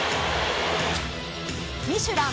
「ミシュラン」